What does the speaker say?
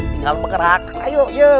tinggal bergerak ayo